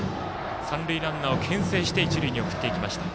三塁ランナーをけん制して一塁に送っていきました。